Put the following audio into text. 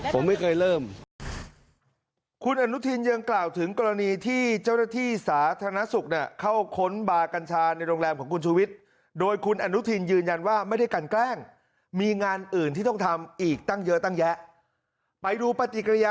ไปดูปฏิกิริยากรณีที่นายชวิตทำแบบนี้เอาหวังผลทางการแบบนี้